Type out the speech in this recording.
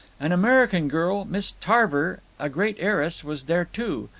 An American girl, Miss Tarver, a great heiress, was there too.